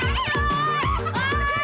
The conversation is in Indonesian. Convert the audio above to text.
eh ga keluarga